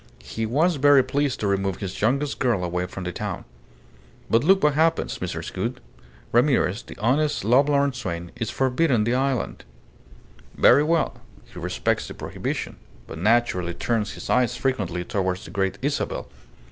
He was very pleased to remove his youngest girl away from the town. But look what happens, Mrs. Gould. Ramirez, the honest, lovelorn swain, is forbidden the island. Very well. He respects the prohibition, but naturally turns his eyes frequently towards the Great Isabel.